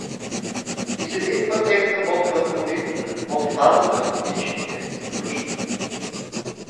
Из един път екна Ботевата молитва, подфаната от всичките задружно.